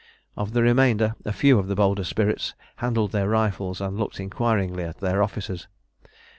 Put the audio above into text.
Of the remainder a few of the bolder spirits handled their rifles and looked inquiringly at their officers.